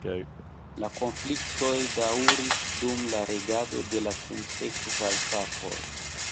La konfliktoj daŭris dum la regado de la sinsekvaj papoj.